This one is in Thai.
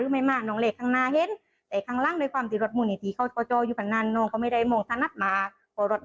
ก็เป็นคำชี้แจกของคนขับรถเก่งคันสีเขียวที่คุณผู้ชมเห็นคลิปภาพนะคะ